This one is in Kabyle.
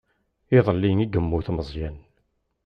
Iḍelli i yemmut Meẓyan.